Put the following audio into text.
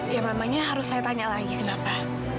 ya mamanya harus saya tanya lagi kenapa